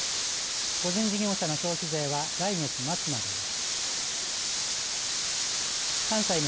個人事業者の消費税が来月末までです。